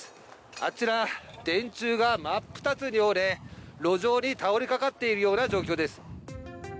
あちら、電柱が真っ二つに折れ、路上に倒れかかっているような状況です。